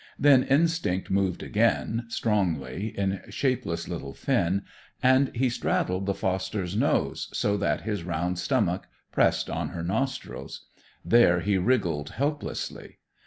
Then instinct moved again, strongly, in shapeless little Finn, and he straddled the foster's nose, so that his round stomach pressed on her nostrils. There he wriggled helplessly.